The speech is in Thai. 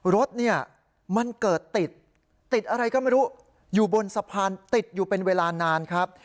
รถเนี่ยมันเกิดติดติดอะไรก็ไม่รู้อยู่บนสะพานติดอยู่เป็นเวลานานครับ